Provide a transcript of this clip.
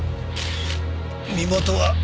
身元は？